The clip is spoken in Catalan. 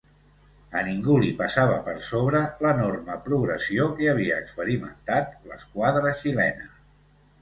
A ningú li passava per sobre l'enorme progressió que havia experimentat l'esquadra xilena.